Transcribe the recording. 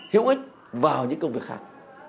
hữu ích vào những công việc khác